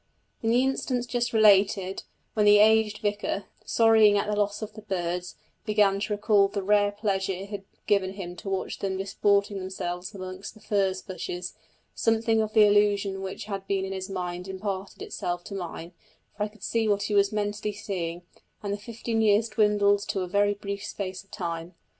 In the instance just related, when the aged vicar, sorrying at the loss of the birds, began to recall the rare pleasure it had given him to watch them disporting themselves among the furze bushes, something of the illusion which had been in his mind imparted itself to mine, for I could see what he was mentally seeing, and the fifteen years dwindled to a very brief space of time.